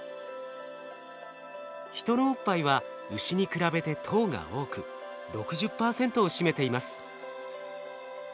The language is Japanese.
ヒトのおっぱいはウシに比べて糖が多く６０％を占めています。